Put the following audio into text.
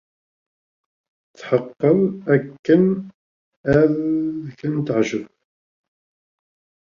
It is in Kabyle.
Tḥeqqeqeɣ d akken ad ken-teɛǧeb.